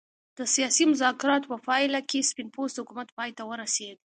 د سیاسي مذاکراتو په پایله کې سپین پوستو حکومت پای ته ورسېد.